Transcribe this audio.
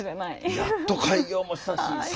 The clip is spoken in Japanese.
やっと開業もしたしさ